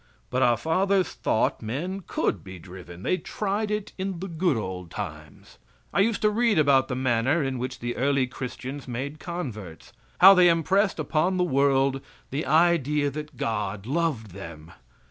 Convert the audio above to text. But our fathers thought men could be driven. They tried it in the "good old times." I used to read about the manner in which the early Christians made converts how they impressed upon the world the idea that God loved them.